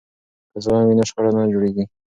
که زغم وي نو شخړه نه جوړیږي.